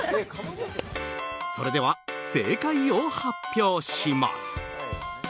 それでは、正解を発表します。